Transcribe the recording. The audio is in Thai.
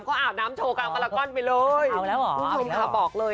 เขาอาบน้ำโชว์กางพลคลีมลาก่อนไปเลย